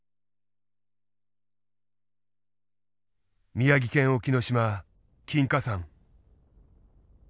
宮城県沖の島金華山。